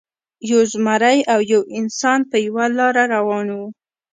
یو زمری او یو انسان په یوه لاره روان وو.